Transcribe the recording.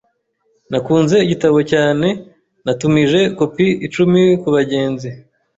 Nakunze igitabo cyane natumije kopi icumi kubagenzi.